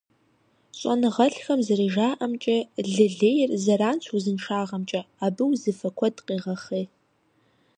ЩӀэныгъэлӀхэм зэрыжаӀэмкӀэ, лы лейр зэранщ узыншагъэмкӀэ, абы узыфэ куэд къегъэхъей.